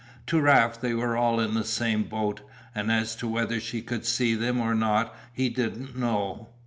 To Raft they were all in the same boat, and as to whether she could see them or not he didn't know.